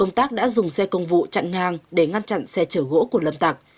công tác đã dùng xe công vụ chặn ngang để ngăn chặn xe chở gỗ của lâm tặc